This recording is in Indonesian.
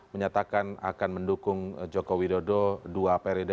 menyatakan akan mendukung jokowi dodo dua periode